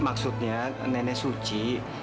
maksudnya nenek suci